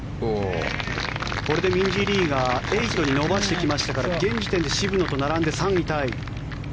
これでミンジー・リーが８に伸ばしてきましたから現時点で渋野と並んで３位タイ。